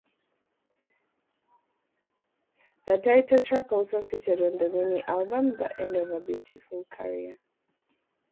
The title track also featured on the mini-album "The End of a Beautiful Career".